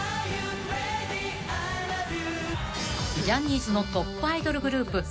［ジャニーズのトップアイドルグループ］